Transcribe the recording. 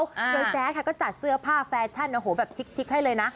โดยแจ๊ดค่ะก็จัดเสื้อผ้าแฟชั่นโอ้โหแบบชิกให้เลยนะ